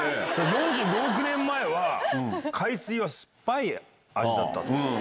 ４５億年前は海水は酸っぱい味だったと。